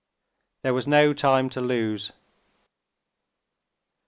There was no time to lose.